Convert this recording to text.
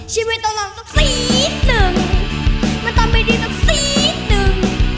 ชีวิตต้องรอตรงซีนหนึ่งมันต้องไปดีตรงซีนหนึ่ง